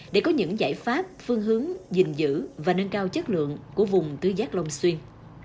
để có những giải pháp phương hướng dình dữ và nâng cao chất lượng của vùng tứ giác long xuyên